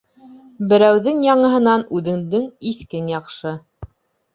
Берәүҙең яңыһынан үҙеңдең иҫкең яҡшы.